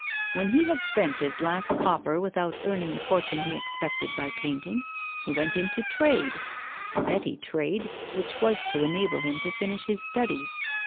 When he had spent his last copper without earning the fortune he expected by painting, he went into trade, a petty trade, which was to enable him to finish his studies.